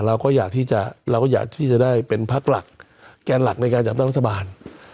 เราก็อยากที่จะได้เป็นภาคแกนหลักในการจับต้นรัฐบาล